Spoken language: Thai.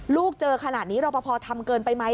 ลูกเจอขนาดนี้รอปภทำเกินไปไหม